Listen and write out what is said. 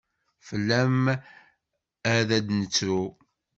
Fell-am ar d ad nettru.